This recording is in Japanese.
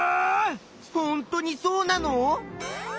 ほんとにそうなの？